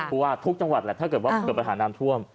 พูอาทุกจังหวัดถ้าเกิดว่าปฐานาธวม